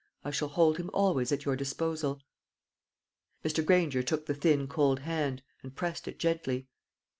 I shall hold him always at your disposal." Mr. Granger took the thin cold hand, and pressed it gently.